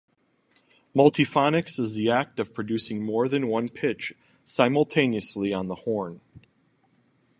Multiphonics is the act of producing more than one pitch simultaneously on the horn.